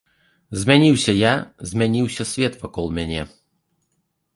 Змяніўся я, змяніўся свет вакол мяне.